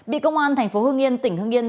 bị công an tp hương yên tỉnh hương yên